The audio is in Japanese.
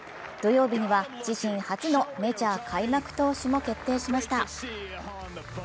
土曜日には自身初のメジャー開幕投手も決定しました。